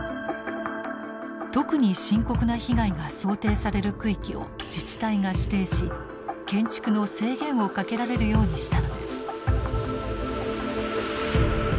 特に深刻な被害が想定される区域を自治体が指定し建築の制限をかけられるようにしたのです。